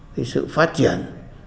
cái sự phát triển